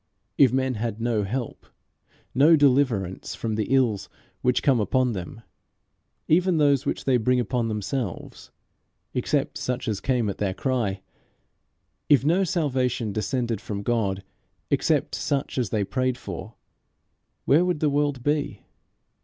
If men had no help, no deliverance from the ills which come upon them, even those which they bring upon themselves, except such as came at their cry; if no salvation descended from God, except such as they prayed for, where would the world be?